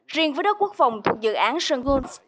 riêng với đất quốc phòng thuộc dự án sân hương